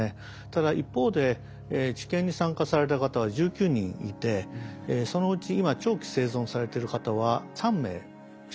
ただ一方で治験に参加された方は１９人いてそのうち今長期生存されてる方は３名しかいません。